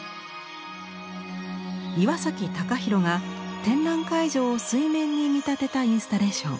岩崎貴宏が展覧会場を水面に見立てたインスタレーション。